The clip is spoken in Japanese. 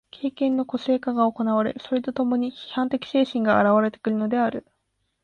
経験の個性化が行われ、それと共に批判的精神が現われてくるのである。